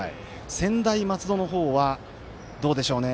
専大松戸の方はどうでしょうね。